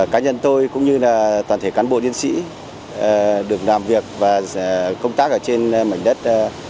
cá nhân tôi cũng như toàn thể cán bộ nhân sĩ được làm việc và công tác ở trên mảnh đất